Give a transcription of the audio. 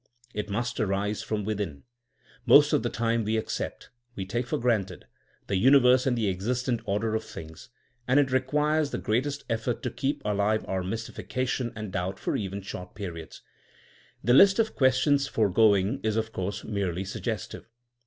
It must arise from within. Most of the time we accept, we take for granted, the universe and the existent order of things, and it requires the greatest effort to keep alive our mystification and doubt for even short periods. The list of questions foregoing is of course merely suggestive.